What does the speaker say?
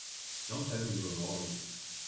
Don't tell me you were worried!